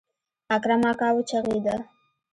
اکرم اکا وچغېده.